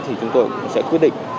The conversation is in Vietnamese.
thì chúng tôi cũng sẽ quyết định